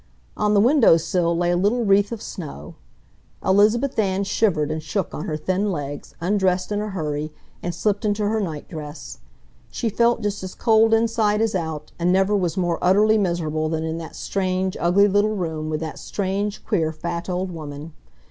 On the window sill lay a little wreath of snow. Elizabeth Ann shivered and shook on her thin legs, undressed in a hurry, and slipped into her night dress. She felt just as cold inside as out, and never was more utterly miserable than in that strange, ugly little room, with that strange, queer, fat old woman.